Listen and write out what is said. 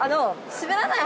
滑らない？